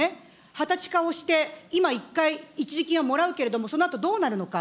畑地化をして、今、一回、一時金はもらうけれども、そのあと、どうなるのか。